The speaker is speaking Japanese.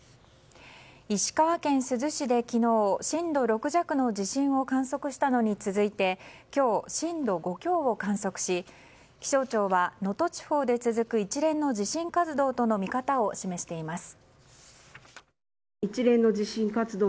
石川県珠洲市で昨日震度６弱の地震を観測したのに続いて今日、震度５強を観測し気象庁は能登地方で続く一連の地震活動との見方を示しています。